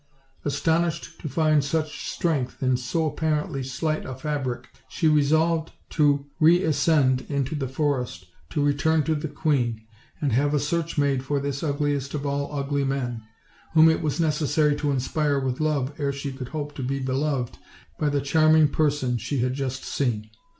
Astonished to iind such strength in so apparently slight a fabric, she resolved to reascend into the forest, to re turn to the queen, and have a search made for this ugli est of all ugly men, whom it was necessary to inspire with love ere she could hope to be beloved by the charming person she had just seen.